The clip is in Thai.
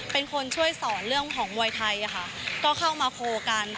เป็นคนช่วยสอนเรื่องของมวยไทยค่ะก็เข้ามาโคลกัน